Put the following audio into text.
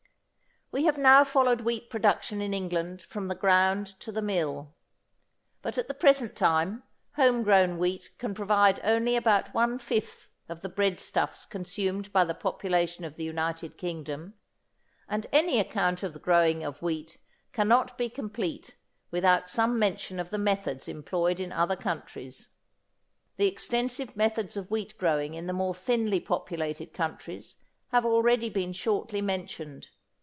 We have now followed wheat production in England from the ground to the mill. But at the present time home grown wheat can provide only about one fifth of the bread stuffs consumed by the population of the United Kingdom, and any account of the growing of wheat cannot be complete without some mention of the methods employed in other countries. The extensive methods of wheat growing in the more thinly populated countries have already been shortly mentioned.